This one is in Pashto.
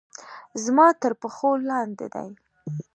زما تر پښو لاندې دي